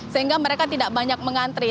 sehingga mereka tidak banyak mengantri